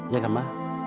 ya kan ma